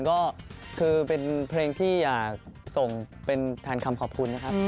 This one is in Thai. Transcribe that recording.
ก็คือเป็นเพลงที่อยากส่งเป็นแทนคำขอบคุณนะครับ